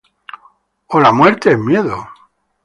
O la muerte es miedo.